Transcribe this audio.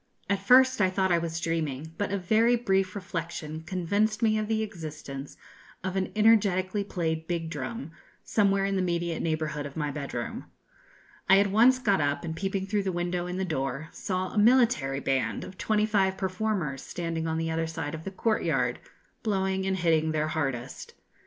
At first I thought I was dreaming, but a very brief reflection convinced me of the existence of an energetically played big drum, somewhere in the immediate neighbourhood of my bed room. I at once got up and, peeping through the window in the door, saw a military band of twenty five performers, standing on the other side of the courtyard, blowing and hitting their hardest.